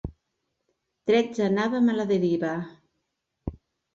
Tretze anàvem a la deriva.